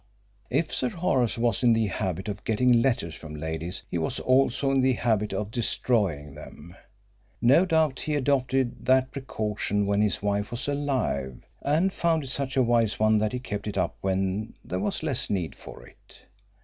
If Sir Horace was in the habit of getting letters from ladies he was also in the habit of destroying them. No doubt he adopted that precaution when his wife was alive, and found it such a wise one that he kept it up when there was less need for it.